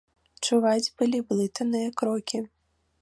Чуваць былі блытаныя крокі.